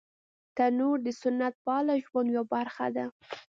تنور د سنت پاله ژوند یوه برخه ده